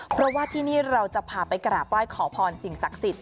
เพราะว่าที่นี่เราจะพาไปกราบไหว้ขอพรสิ่งศักดิ์สิทธิ